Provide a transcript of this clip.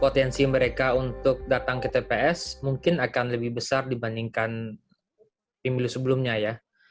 potensi mereka untuk datang ke tps mungkin akan lebih besar dibandingkan pemilu sebelumnya ya